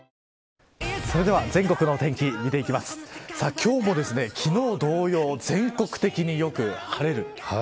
今日も昨日同様全国的によく晴れる。